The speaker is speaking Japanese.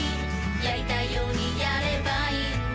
やりたいようにやればいいんだ